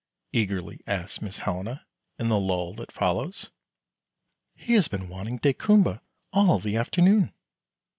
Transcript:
eagerly asks Miss Helena, in the lull that follows. "He has been wanting daykumboa all the afternoon."